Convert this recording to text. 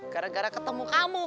gara gara ketemu kamu